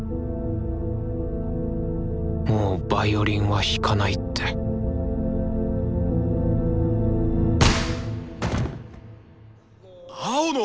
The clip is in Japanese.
もうヴァイオリンは弾かないって青野！